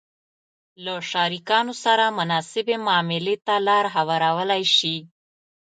-له شریکانو سره مناسبې معاملې ته لار هوارولای شئ